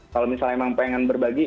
kalau misalnya emang pengen berbagi